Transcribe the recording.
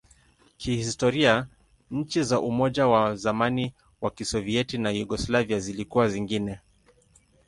Kihistoria, nchi za Umoja wa zamani wa Kisovyeti na Yugoslavia zilikuwa zingine.